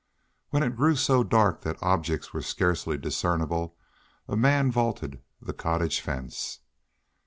When it grew so dark that objects were scarcely discernible a man vaulted the cottage fence.